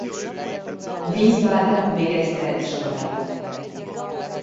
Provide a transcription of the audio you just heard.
Wiesbaden végezte el iskoláit.